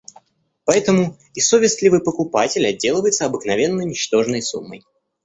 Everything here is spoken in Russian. Поэтому и совестливый покупатель отделывается обыкновенно ничтожной суммой.